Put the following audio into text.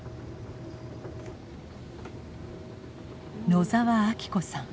野澤明子さん